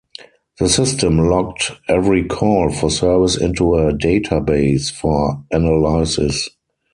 The system logged every call for service into a database for analysis.